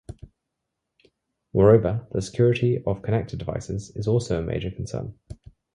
Moreover, the security of connected devices is also a major concern.